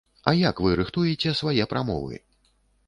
А як вы рыхтуеце свае прамовы?